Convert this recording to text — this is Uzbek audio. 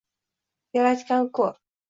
Yaratgan ko’r